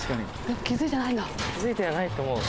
「気付いてはないと思う。